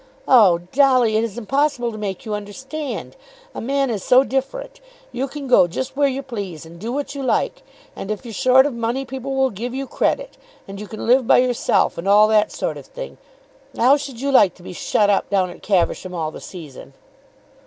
"Oh, Dolly, it is impossible to make you understand. A man is so different. You can go just where you please, and do what you like. And if you're short of money, people will give you credit. And you can live by yourself, and all that sort of thing. How should you like to be shut up down at Caversham all the season?"